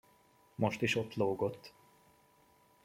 Most is ott lógott.